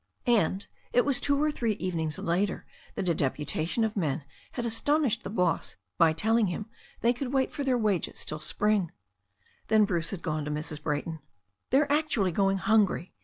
And it was two or three evenings later that a deputation "] 174 THE STORY OF A NEW ZEALAND RIVER of men had astonished the boss by telling him they could wait for their wages till the spring. Then Bruce had gone to Mrs. Brayton. "They're actually going hungry!"